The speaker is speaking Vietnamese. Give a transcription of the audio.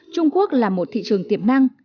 trung quốc là một thị trường tiềm năng